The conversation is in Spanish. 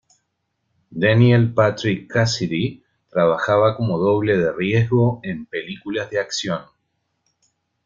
Daniel Patrick Cassidy trabajaba como doble de riesgo en películas de acción.